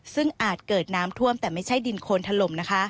ซึ่งอาจเกิดน้ำท่วมแต่ไม่ใช่ดินโคนถล่มนะคะ